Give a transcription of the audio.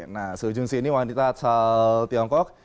nah su jun si ini wanita asal tiongkok